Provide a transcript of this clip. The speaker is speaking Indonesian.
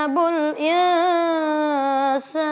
aku mau bekerja